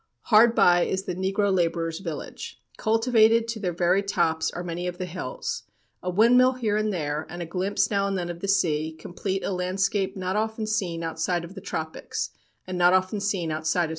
Hard by is the negro laborers' village. Cultivated to their very tops are many of the hills. A windmill here and there, and a glimpse now and then of the sea, complete a landscape not often seen outside of the tropics, and not often seen outside of St. Croix."